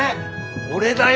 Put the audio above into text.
俺だよ